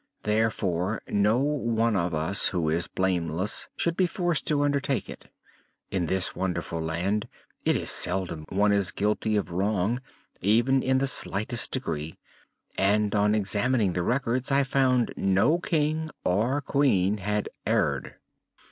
Therefore no one of us who is blameless should be forced to undertake it. In this wonderful land it is seldom one is guilty of wrong, even in the slightest degree, and on examining the Records I found no King or Queen had erred.